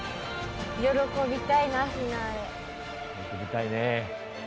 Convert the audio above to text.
喜びたいね。